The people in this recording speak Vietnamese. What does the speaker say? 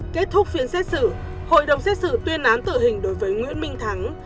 kết thúc phiên xét xử hội đồng xét xử tuyên án tử hình đối với nguyễn minh thắng